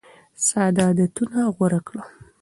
ساده عادتونه غوره کړه.